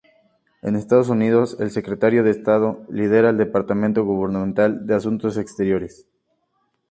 En Estados Unidos, el Secretario de Estado lidera el departamento gubernamental de Asuntos Exteriores.